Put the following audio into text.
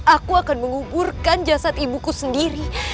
aku akan menguburkan jasad ibuku sendiri